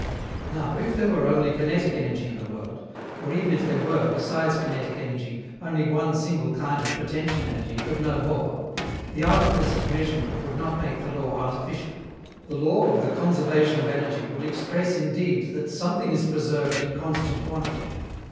Now, if there were only kinetic energy in the world, or even if there were, besides kinetic energy, only one single kind of potential energy, but no more, the artifice of measurement would not make the law artificial. The law of the conservation of energy would express indeed that something is preserved in constant quantity.